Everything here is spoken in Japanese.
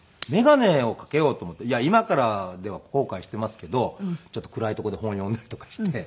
今からでは後悔していますけどちょっと暗いとこで本読んだりとかして。